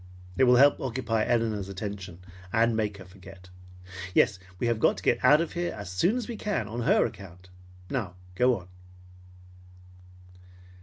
It will help occupy Elinor's attention and make her forget. Yes, we have got to get out of here as soon as we can on her account. Now go on."